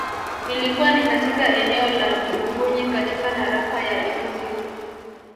Ilikuwa ni katika eneo la Dungunyi katika tarafa ya Ikungi